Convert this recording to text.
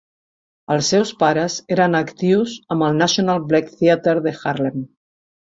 Els seus pares eren actius amb el National Black Theater de Harlem.